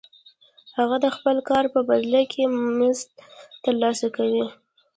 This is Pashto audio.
هغه د خپل کار په بدل کې مزد ترلاسه کوي